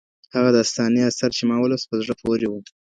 هغه داستاني اثر چي ما ولوست په زړه پوري و.